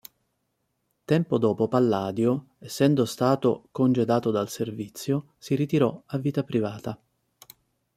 Tempo dopo Palladio, essendo stato congedato dal servizio, si ritirò a vita privata.